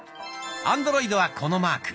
アンドロイドはこのマーク。